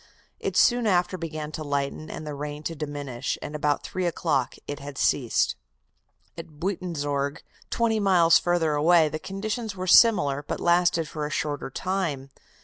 It soon after began to lighten, and the rain to diminish, and about three o'clock it had ceased. At Buitenzorg, twenty miles further away, the conditions were similar, but lasted for a shorter time.